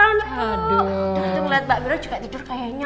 dan tuh ngeliat mbak biro juga tidur kayaknya